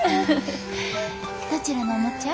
どちらのおもちゃ？